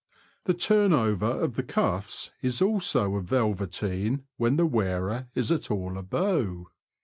The turnover of the cuffs is also of velveteen when the wearer is at all a beau.